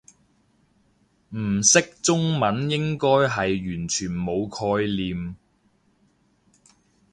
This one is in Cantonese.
唔識中文應該係完全冇概念